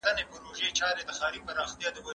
د هغه نظر دوه اړخه لري